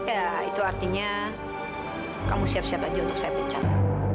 ya itu artinya kamu siap siap aja untuk saya bicara